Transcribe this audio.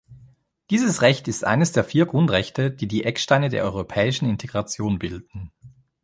Dieses Recht ist eines der vier Grundrechte, die die Ecksteine der Europäischen Integration bilden.